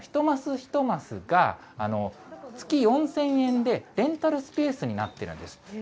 ひとますが月４０００円で、レンタルスペースになってるんです。